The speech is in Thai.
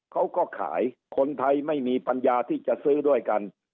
เขาก็ขายคนไทยไม่มีปัญญาที่จะซื้อด้วยกัน